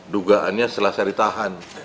dugaannya setelah saya ditahan